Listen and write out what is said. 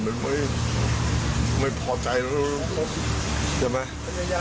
มันไม่พอใจแล้วใช่ไหม